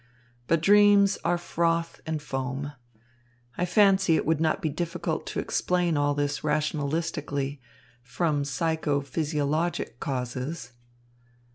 But dreams are froth and foam. I fancy it would not be difficult to explain all this rationalistically, from psycho physiologic causes."